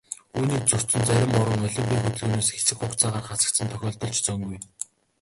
Үүнийг зөрчсөн зарим орон олимпын хөдөлгөөнөөс хэсэг хугацаагаар хасагдсан тохиолдол ч цөөнгүй.